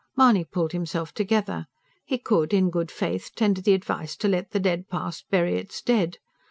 Mahony pulled himself together; he could, in good faith, tender the advice to let the dead past bury its dead.